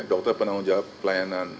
dokter penanggung jawab pelayanan